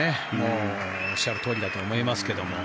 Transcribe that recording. おっしゃるとおりだと思いますが。